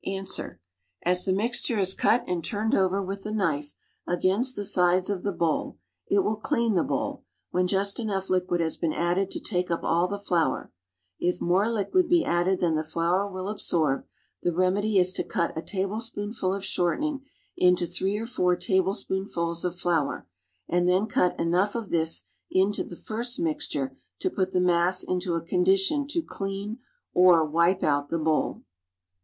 Ans. As the mixture is cut and turned over with the knife against the sides of the bowl, it will "clean tlie bowl" when just enough lif(uid has been added to lake up all the flour; if more liquid be added than the flour will absorb, tiie remedy is to cut a tablespoonful of shortening into three or four tablespoonfuls of flour and tlien cut enough of this into the first mixture to put the mass into a condition to clean, or "wipe out the bowl."